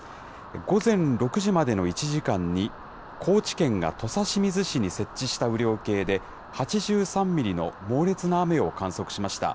午前６時までの１時間に、高知県が土佐清水市に設置した雨量計で８３ミリの猛烈な雨を観測しました。